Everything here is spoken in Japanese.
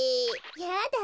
やだ